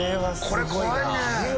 これ怖いね。